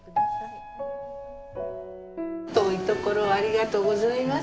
遠いところをありがとうございます。